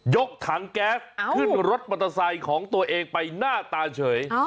ยกถังแก๊สขึ้นรถประสัยของตัวเองไปหน้าตาเฉย